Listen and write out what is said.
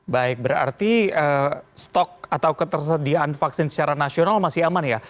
baik berarti stok atau ketersediaan vaksin secara nasional masih aman ya